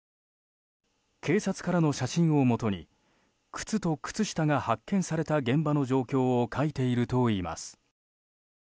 警察からの写真をもとに靴と靴下が発見された現場の状況を描いているといいます。